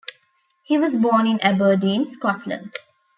He was born in Aberdeen, Scotland.